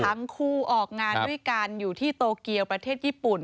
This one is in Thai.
ออกงานด้วยกันอยู่ที่โตเกียวประเทศญี่ปุ่น